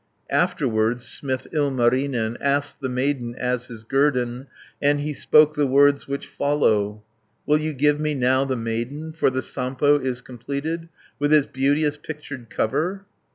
Afterwards smith Ilmarinen, Asked the maiden as his guerdon, And he spoke the words which follow: "Will you give me now the maiden, For the Sampo is completed, With its beauteous pictured cover?"